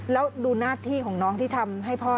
แล้วดูหน้าที่ของน้องที่ทำให้พ่อ